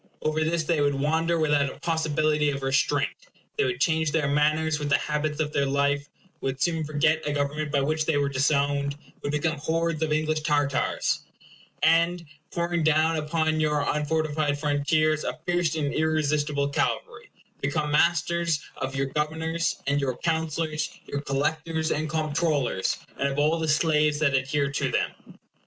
Over this they would wander without a possibility of restraint; they would change their manners with the habits of their life; would soon forget a government by which they were disowned; would become hordes of English Tartars; and, pouring down upon your unfortified frontiers a fierce and irresistible cavalry, become masters of your governors and your counsellors, your collectors and comptrollers, and of all the slaves that adhered to them.